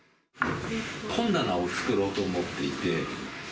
本棚を作ろうと思っていて。